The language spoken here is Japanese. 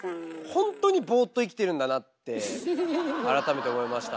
ほんとにボーっと生きてるんだなって改めて思いました。